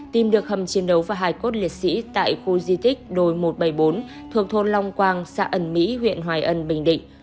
tìm được hầm chiến đấu và hài cốt liệt sĩ tại khu di tích đồi một trăm bảy mươi bốn thuộc thôn long quang xã ẩn mỹ huyện hoài ân bình định